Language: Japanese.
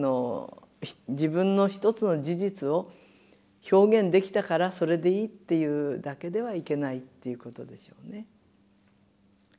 自分の一つの事実を表現できたからそれでいいっていうだけではいけないっていうことでしょうね。